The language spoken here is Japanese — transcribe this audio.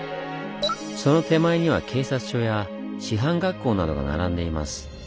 その手前には警察署や師範学校などが並んでいます。